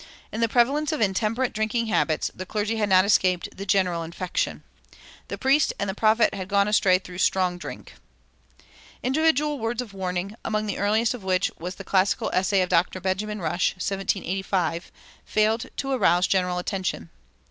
In the prevalence of intemperate drinking habits the clergy had not escaped the general infection. "The priest and the prophet had gone astray through strong drink." Individual words of warning, among the earliest of which was the classical essay of Dr. Benjamin Rush (1785), failed to arouse general attention.